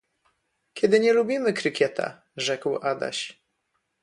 "„Kiedy nie lubimy krykieta,“ rzekł Adaś."